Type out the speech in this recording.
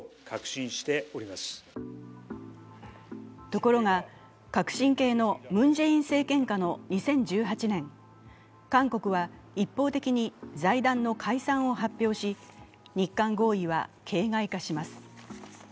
ところが革新系のムン・ジェイン政権下の２０１８年、韓国は一方的に財団の解散を発表し日韓合意は形骸化します。